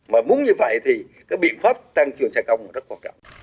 mà muốn như vậy thì cái biện pháp tăng trường xe công là rất quan trọng